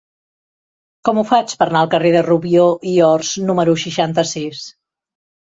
Com ho faig per anar al carrer de Rubió i Ors número seixanta-sis?